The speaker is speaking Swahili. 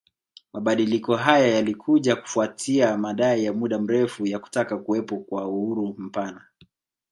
Mabadiliko haya yalikuja kufuatia madai ya muda mrefu ya kutaka kuwepo kwa uhuru mpana